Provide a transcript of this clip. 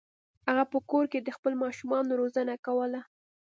هغه په کور کې د خپلو ماشومانو روزنه کوله.